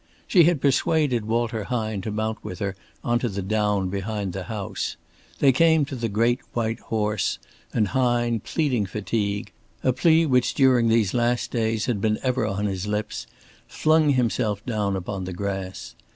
She had persuaded Walter Hine to mount with her on to the down behind the house; they came to the great White Horse, and Hine, pleading fatigue, a plea which during these last days had been ever on his lips, flung himself down upon the grass.